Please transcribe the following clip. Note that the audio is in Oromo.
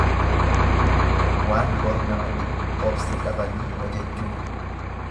Waan boru nama dhibu obsa dhabanii hojechuu.